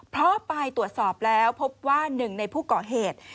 พอไปตรวจสอบแล้วพบว่า๑ในผู้ก่อเหตุ